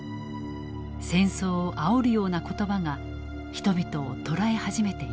戦争をあおるような言葉が人々を捉え始めていた。